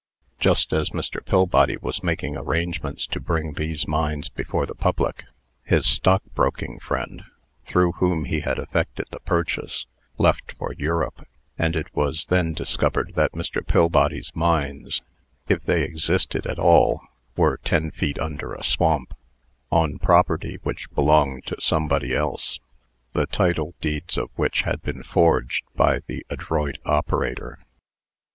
Just as Mr. Pillbody was making arrangements to bring these mines before the public, his stockbroking friend, through whom he had effected the purchase, left for Europe, and it was then discovered that Mr. Pillbody's mines, if they existed at all, were ten feet under a swamp, on property which belonged to somebody else, the title deeds of which had been forged by the adroit operator.